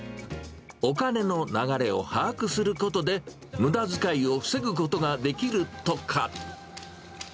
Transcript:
お金の流れを把握することで、むだづかいを防ぐことができるとか。